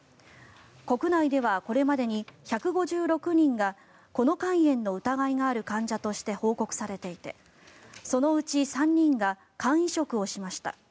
国内ではこれまでに１５６人がこの肝炎の疑いがある患者として報告されていてそのうち３人が肝移植をしました。